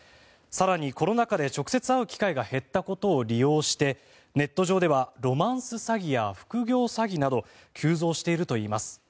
更にコロナ禍で直接会う機会が減ったことを利用してネット上ではロマンス詐欺や副業詐欺など急増しているといいます。